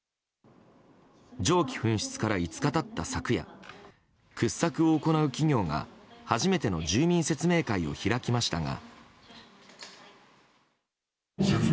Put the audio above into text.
蒸気噴出から５日経った昨夜掘削を行う企業が初めての住民説明会を開きましたが。